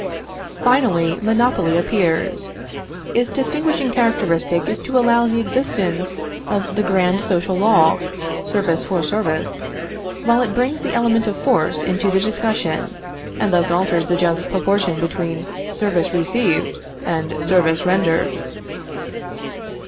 Finally, monopoly appears. Its distinguishing characteristic is to allow the existence of the grand social law service for service while it brings the element of force into the discussion, and thus alters the just proportion between service received and service rendered.